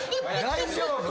大丈夫？